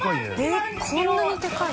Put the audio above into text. えっこんなにでかい。